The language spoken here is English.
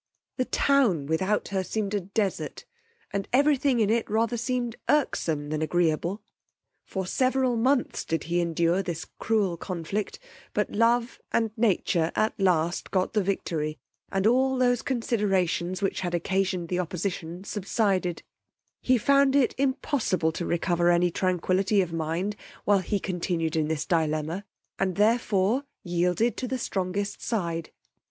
The Town without her seemed a desart, and every thing in it rather seemed irksome than agreeable; for several months did he endure this cruel conflict; but love and nature at last got the victory, and all those considerations which had occasioned the opposition subsided: he found it impossible to recover any tranquility of mind while he continued in this dilemma, and therefore yielded to the strongest side.